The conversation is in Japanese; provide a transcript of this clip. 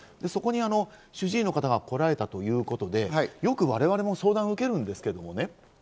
そこに主治医の方が来られたということで、よく我々も相談を受けるんですけどね。